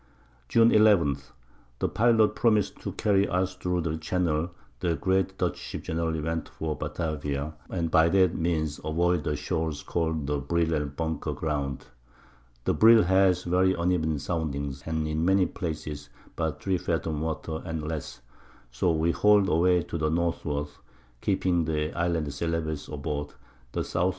June 11. The Pilot promis'd to carry us thro' the Channel the great Dutch Ships generally went for Batavia, and by that Means avoid the Shoals call'd the Brill and Bunker Ground; the Brill has very uneven Soundings, and in many Places but 3 Fathom Water and less, so we hall'd away to the Northward, keeping the Islands Celebes aboard, the S. W.